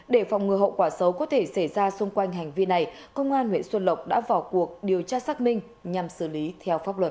để phòng ngừa hậu quả xấu có thể xảy ra xung quanh hành vi này công an huyện xuân lộc đã vào cuộc điều tra xác minh nhằm xử lý theo pháp luật